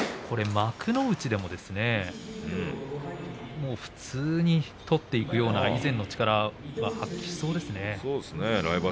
幕内でも普通に取っていく以前の力を発揮できそうですね。